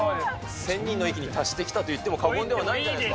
仙人の域に達してきたと言っても過言ではないんじゃないんですか。